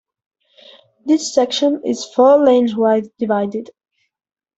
This section is four lanes wide, divided.